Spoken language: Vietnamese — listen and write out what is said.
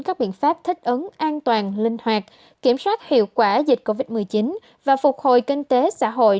các biện pháp thích ứng an toàn linh hoạt kiểm soát hiệu quả dịch covid một mươi chín và phục hồi kinh tế xã hội